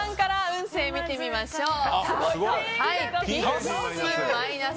運勢を見てみましょう。